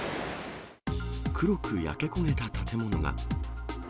黒く焼け焦げた建物が。